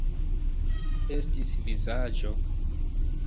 Estis vizaĝo.